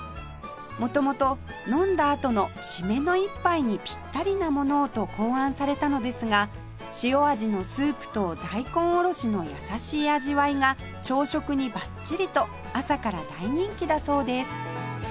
元々飲んだあとのシメの一杯にピッタリなものをと考案されたのですが塩味のスープと大根おろしの優しい味わいが朝食にバッチリと朝から大人気だそうです